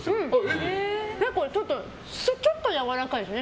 ちょっとやわらかいですね。